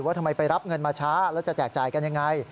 ทำไมไปรับเงินมาช้าแล้วจะแจกจ่ายกันยังไง